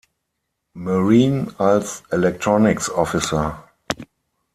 Marine als "Electronics Officer".